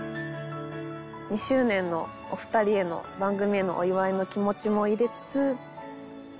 ２周年のお二人への番組へのお祝いの気持ちも入れつつ。